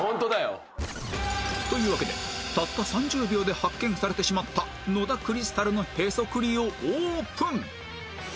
というわけでたった３０秒で発見されてしまった野田クリスタルのへそくりをオープン！